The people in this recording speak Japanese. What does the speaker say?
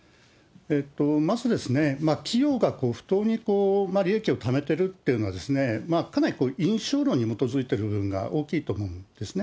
まず企業が不当に利益をためてるっていうのは、かなり印章論に基づいている部分があると思うんですね。